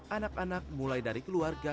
anak anak mulai dari keluarga